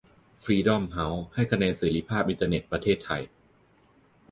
ฟรีด้อมเฮ้าส์ ให้คะแนนเสรีภาพอินเทอร์เน็ตประเทศไทย